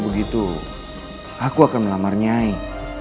tapi itu bukan kerja yang baik